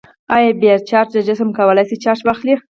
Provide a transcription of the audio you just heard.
آیا بې چارجه جسم کولی شي چارج واخلي؟